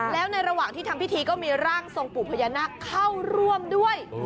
แล้วในระหว่างที่ทำพิธีก็มีร่างทรงปู่พญานาคเข้าร่วมด้วย